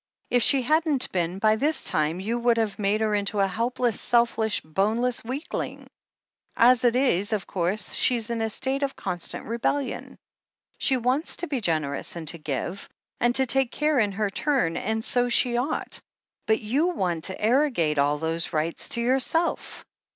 If she hadn't been, by this time you would have made her into a helpless, selfish, boneless weakling. As it is, of course, she's in a state of constant rebellion. She wants to be generous and to give, and to take care in her turn — ^and so she ought. But you want to arrogate all those rights to yourself."